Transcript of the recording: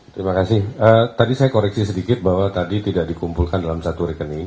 terima kasih tadi saya koreksi sedikit bahwa tadi tidak dikumpulkan dalam satu rekening